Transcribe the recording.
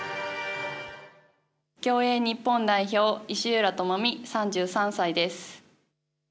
競泳日本代表、石浦智美３３歳です。